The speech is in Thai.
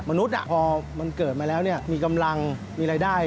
พอมันเกิดมาแล้วมีกำลังมีรายได้